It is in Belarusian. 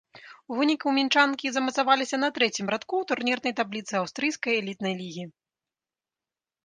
У выніку мінчанкі замацаваліся на трэцім радку ў турнірнай табліцы аўстрыйскай элітнай лігі.